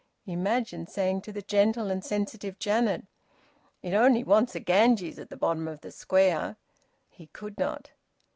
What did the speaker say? Imagine saying to the gentle and sensitive Janet: "It only wants the Ganges at the bottom of the Square " He could not.